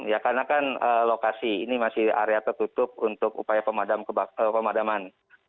ya karena kan lokasi ini masih area tertutup untuk upaya pemadaman